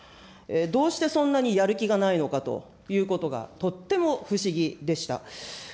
どうしてそんなにやる気がないのかということが、とっても不思議でした。